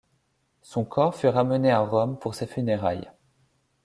Son corps fut ramené à Rome pour ses funérailles.